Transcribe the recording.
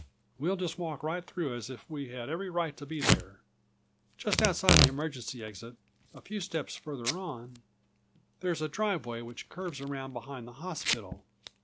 We'll just walk right through as if we had every right to be there. Just outside the emergency exit, a few steps further on, there's a driveway which curves around behind the hospital.